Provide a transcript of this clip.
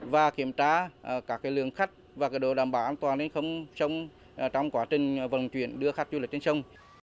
và kiểm tra các lượng khách và đảm bảo an toàn đến không sông trong quá trình vận chuyển đưa khách du lịch trên sông